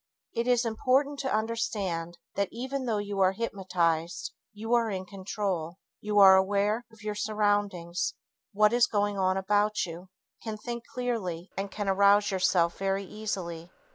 It is important to understand that even though you are hypnotized, you are in control, are aware of your surroundings, what is going on about you, can think clearly and can arouse yourself very easily.